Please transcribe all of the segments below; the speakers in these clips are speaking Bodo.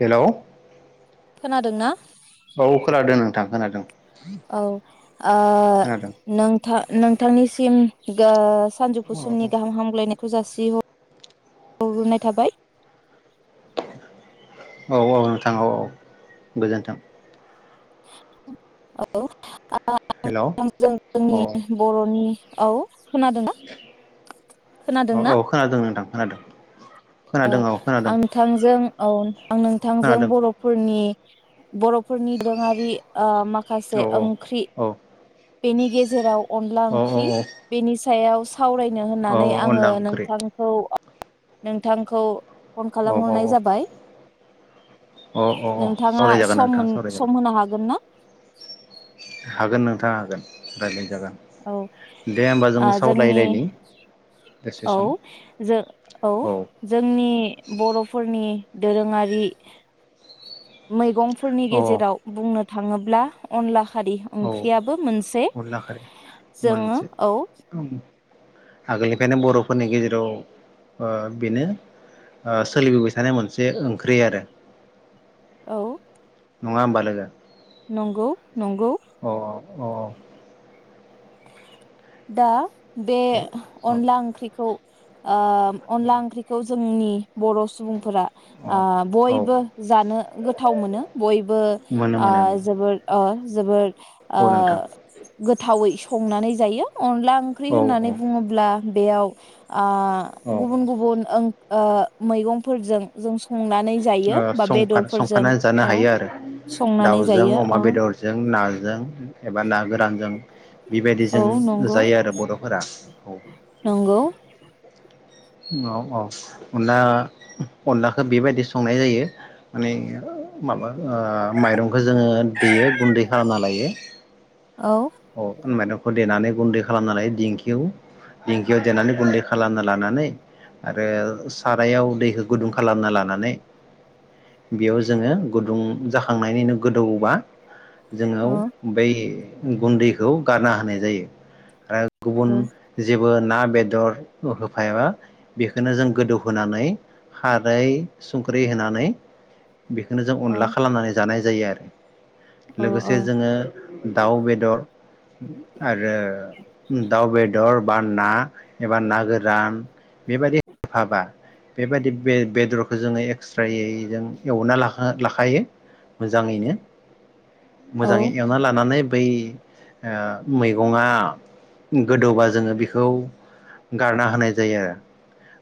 हेलौ खोनादोंना? औ खोनादों ओं थां खोनादों औ ओ खोनादों नोंथां नोंथांनिसिम गास सानजौफु औ समनि गाहाम हामगायनाय जासि ह हग्रोनाय थाबाय औ औ नोंथां औ औ गोजोन्थों। औ [unintelligible] हेलौ जों औ जोंनि बर'नि औ खोनादों ना औ खोनादोंना? औ [unintelligible] ओ औ खोनादों आं नोंथांजों औ आं नोंथांजों खोनादों बर'फोरनि बर'फोरनि दोरोङारि माखासे औ ओंख्रि औ बेनि गेजेराव अनला औ ओंख्रि औ बेनि सायाव सावरायनो औ होननानै आङो अनला ओंख्रि नोंथांखौ नों थांखौ फन औ औ खालामहरनाय जाबाय औ औ औ नोंथाङा सावरायजागोन सम नोंथां मोन सम सावरायजागोन होनो हागोन ना? हागोन नोंथाङा हागोन रायज्लानो औ आ जोंनि सावरायलायनि दसे औ सम जों औ जोंनि बर'फोरनि दोरोङारि मैगं फोरनि औ गेजेराव बुंनो थाङोब्ला अनला खारि औ ओंख्रियाबो मोनसे अनला खारै जोङो मोनसे औ आगोलनिफ्रायनो बर'फोरनि गेजेराव ओ बेनो ओ सोलिबोबाय थानाय मोनसे ओंख्रि आरो औ नङा होमबा लोगो नंगौ नंगौ अ दा बे दे औ अनला ओंख्रिखौ ओ अनला ओंख्रिखौ जोंनि बर' सुबुं फोरा औ आ औ बयबो जानो गोथाव मोनो बयबो मोनो ओ मोनो मोनो जोबोर ओ जोबोद आ औ नोंथां गोथावै संनानै जायो अनला ओंख्रि औ होननानै औ बुङोब्ला बेयाव आ ओ गुबुन गुबुन ओं ओ मैगंफोरजों जों सं ओ संफा संफानानै जानो औ हायो आरो संनानै दाउजों जायो अमा औ बेदरजों नाजों नाजों एबा ना गोरानजों औ बेबायदिजों जों नंगौ जायो आरो बर'फोरा नंगौ अ अ अनला अनलाखो बेबायदि संनाय जायो माने माबा ओ माइरंखौ जोङो देयो गुन्दै खालामना लायो औ अ होनबा नो खौ देनानै गुन्दै खालामना लायो दिंखियाव दिंखियाव देनानै गुन्दै खालामना लानानै आरो सारायाव दैखौ गुदुं खालामना लानानै बेयाव जोङो गुदुं जाखांनायनि गोदौबा जोंआव औ बै गुन्दैखौ गारना होनाय जायो आरो गुबुन औ जिब बो ना बेदर होफायाबा बेखौनो जों गोदौ होनानै खारै संख्रै होनानै बेखौनो जों औ अनला खालामनानै जानाय जायो आरो औ लोगोसे औ जोङो दाउ बेदर दर आरो दाउ बेदर बा बा ना एबा ना गोरान बेबायदि होफाबा बेबायदि बे बेदरखो जोङो एक्सट्रायै जों एवना लाखा लाखायो मोजाङैनो औ मोजाङै एवना लानानै बै ओ मैगङा गोदौबा जोङो बेखौ गारना होनाय जायो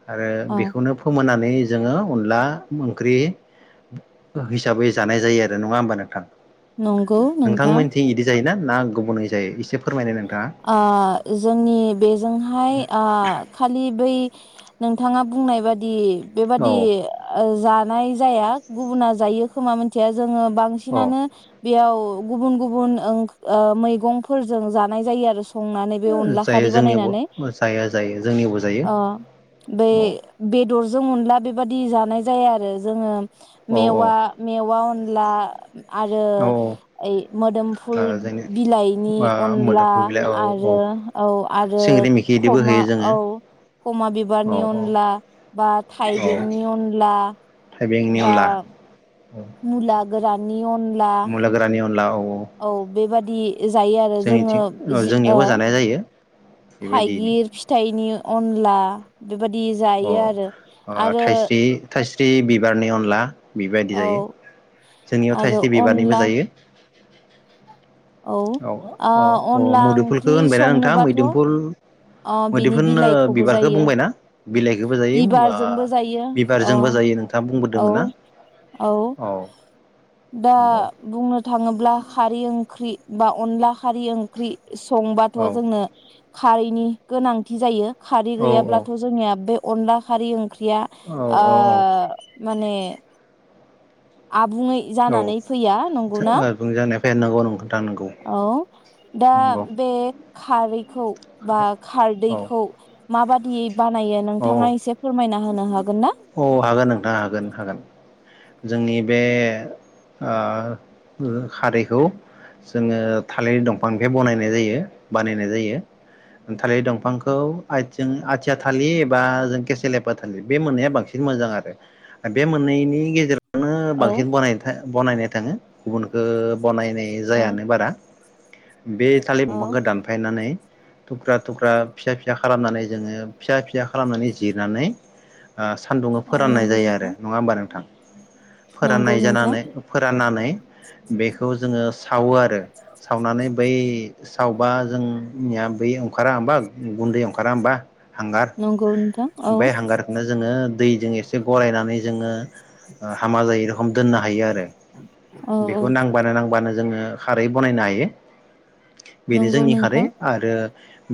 आरो आरो औ बेखौनो फोमोननानै जोङो अनला ओंख्रि हिसाबै जानाय जायो आरो नङा होमबा नोंथां नंगौ नोंथां नोंथांमोनथिं [unintelligible] गुबुनै जायो एसे फ ओ जोंनि बेजोंहाय आ खालि बै नोंथाङा बुंनाय बादि औ बेबादि जा नाय जाया गुबुना जायो खोमा मोनथिया जोङो औ बांसिनानो बेयाव गु-गुबुन गुबुन ओं मैगंफोरजों जा नाय जायो आरो संनानै बे अनला जायो खारि जोंनियावबो बानायनानै जाया जायो जोंनियावबो जायो अ बे औ बेदरजों अनला बे बेबादि जानाय जाया आरो जोङो औ मेवा मेवा अन ला आरो औ ओइ मोदोमफुल औ जोंनि बिलाइनि अन आ मोदोमफु बिलाइ औ आरो औ औ आरो सिंग्रि मिखि बिदिबो खमा होयो जोङो औ खमा औ बिबारनि औ अनला बा औ थाइबेंनि अनला थाइबेंनि बा अनला औ मुला गोरान नि अनला ला औ बेबा दि जायो आरो जोङो जोंनिथिं जि जोंनियावबो ओ जानाय जायो बेबायदियैनो थाइगिर फिथाइनि अनला बेबायदि जायो आरो आरो स्रि बिबारनि अनला बिबायदि जायो औ जोंनियाव आरो थाइस्रि बिबारनिबो अनला जायो औ औ ओ औ अनला मोदोमफुलखौ ओंख्रि होनबायना नोंथाङां संनोबाथ' मैदोमफुल अ बिनि मोदैफोननो बिलाइखौबो बिबारखौ जायो बुंबायना बिलाइखौबो जायो ओ बिबारजोंबो जायो अ बिबारजोंबो जायो नोंथाङा औ बुंबोदोंमोन ना औ दा औ बुंनो थाङोब्ला खारै ओंख्रि बा अनला खारै ओंख्रि संबाथ औ जोंनो खारैनि गोनांथि जायो खारै औ गैयाब्लाथ' जोंनिया बे अनला खारि ओं ख्रिया ओ औ माने आबुङै औ जानानै फैया नंगौना बुंजानाया फैया नंगौ नोंथां नंगौ औ दा नंगौ बे खारै खौ बा औ खारदैखौ माबा इब बानायो औ नोंथाङा एसे फोरमायना होनो हागोन ना? औ हागोन नोंथां हागोन हागोन जोंनि बे ओ उम खारैखौ जोङो थालिर दंफांनिफाय बनायनाय जायो बानायनाय जायो थालिर दंफांखौ जों आथिया थालिर बा जों केसेलि फाथालि बे मोननैया बांसिन मोजां आरो ओ बे मोनैनि गेजेराव नो औ बांसिन बानाय थाय बनायनाय थाङो गुबुनखौ बनायनाय औ जायानो बारा बे थालिर औ बिंफांखौ दानफायनानै थुख्रा थुख्रा फिसा फि फिसा खालामनानै जोङो फिसा फिसा खालामनानै जिरनानै ओ सान्दुंङै औ फोराननाय नंगौ जायो नोंथां आरो नङा होमबा नोंथां नंगौ फोराननाय नोंथां जानानै फोराननानै बेखौ जोङो सावो आरो सावनानै बै सावबा जोंनिया बै ओंखारा होमबा गुन्दै ओंखारा होमबा हांगार नंगौ नोंथां औ बे हांगारखौनो जोङो दैजों एसे गरायनानै जोङो ओ हामा जायै रखोम दोननो हायो आरो औ औ बेखौ नांबानो नांबानो जोङो खारै बानायनो हायो बेनो नंगौ जोंनि खारै नोंथां आरो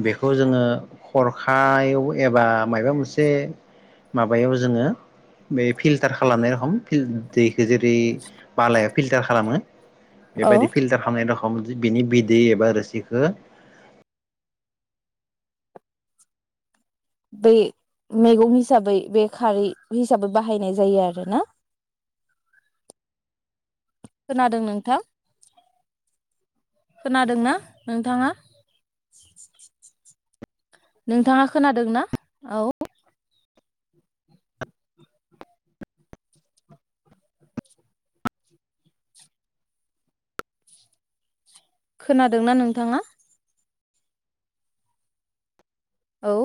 बेखौ जोङो हरखायाव एबा माबा मोनसे माबायाव जोङो बे फिल्टार खालामनाय रखम दै गेजेरै बालाय फिल्टार खालामो औ बेबायदि फिल्टार खालामनाय दं बिनि बिदै एबा रोसिखौ बे मैगं हिसाबै बे खारै हिसाबै बाहायनाय जायो आरो ना खोनादों नोंथां खोनादोंना नोंथाङा नोंथाङा खोनादोंना औ खोनादोंना नोंथाङा औ